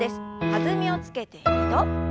弾みをつけて２度。